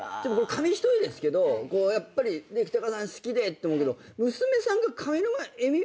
紙一重ですけど北川さん好きでって思うけど。